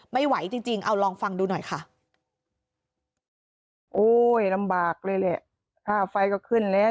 ไม่ไหวจริงจริงเอาลองฟังดูหน่อยค่ะโอ้ยลำบากเลยแหละค่าไฟก็ขึ้นแล้ว